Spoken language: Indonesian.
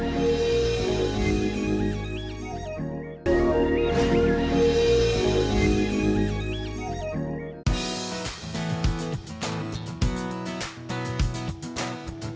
terima kasih juga